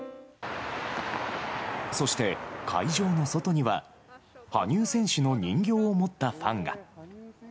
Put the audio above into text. そして、会場の外には、羽生選手の人形を持ったファンが。